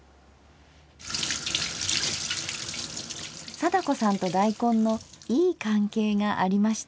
貞子さんと大根のいい関係がありました。